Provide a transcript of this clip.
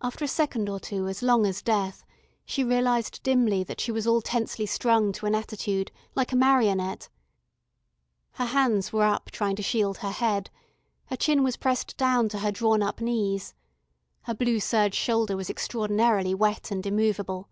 After a second or two as long as death, she realised dimly that she was all tensely strung to an attitude, like a marionette. Her hands were up trying to shield her head, her chin was pressed down to her drawn up knees. Her blue serge shoulder was extraordinarily wet and immovable.